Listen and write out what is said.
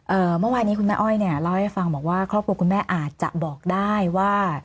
เมื่อวานนี้คุณแม่อ้อยเนี่ยเล่าให้ฟังบอกว่าครอบครัวคุณแม่อาจจะบอกได้ว่า